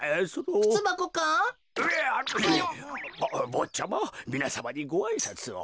ぼっちゃまみなさまにごあいさつを。